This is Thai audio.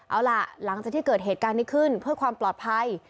เอาล่ะหลังจากที่เกิดเหตุการณ์นี้ขึ้นเพื่อความปลอดภัย